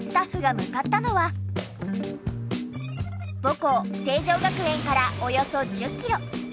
母校成城学園からおよそ１０キロ。